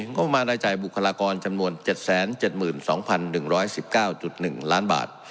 งบประมาณรายจ่ายบุคลากรจำนวน๗๗๒๑๑๙๑ล้านบาท